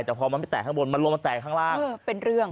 แต่พอมันไม่แตกข้างบนมันลงมาแตกข้างล่าง